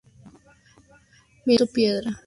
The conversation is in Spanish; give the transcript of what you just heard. Mientras tanto, piedra habla con Xin Fu sobre la lucha.